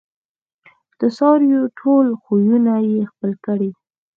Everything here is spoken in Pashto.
د څارویو ټول خویونه یې خپل کړي